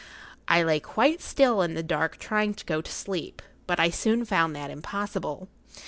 I lay quite still in the dark trying to go to sleep, but I soon found that impossible.